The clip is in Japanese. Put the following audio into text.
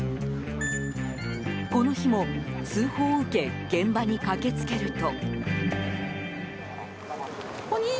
この日も、通報を受け現場に駆けつけると。